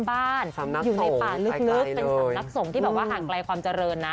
บ้านอยู่ในป่าลึกเป็นสำนักสงฆ์ที่แบบว่าห่างไกลความเจริญนะ